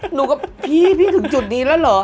หนูก็พี่พี่ถึงจุดนี้แล้วเหรอ